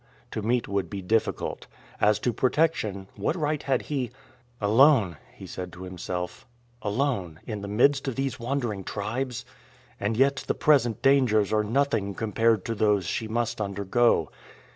To meet would be difficult. As to protection what right had he "Alone," he said to himself, "alone, in the midst of these wandering tribes! And yet the present dangers are nothing compared to those she must undergo.